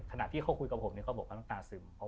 ขนาดที่เขาคุยกับผมก็ต้องตาซึม